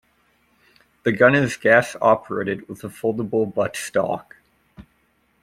The gun is gas-operated, with a foldable butt stock.